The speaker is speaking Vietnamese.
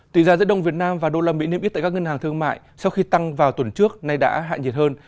tỷ giá giữa đồng việt nam và đô la mỹ niêm yết tại các ngân hàng thương mại sau khi tăng vào tuần trước nay đã hạ nhiệt hơn